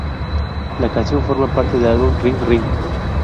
La canción forma parte del álbum Ring Ring.